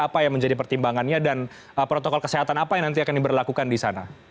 apa yang menjadi pertimbangannya dan protokol kesehatan apa yang nanti akan diberlakukan di sana